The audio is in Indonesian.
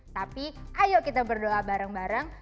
tapi ayo kita berdoa bareng bareng